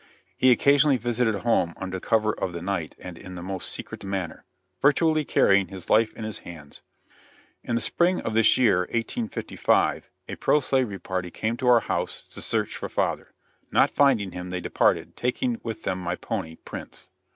He occasionally visited home under cover of the night, and in the most secret manner; virtually carrying his life in his hand. In the spring of this year (1855) a pro slavery party came to our house to search for father; not finding him, they departed, taking with them my pony, Prince.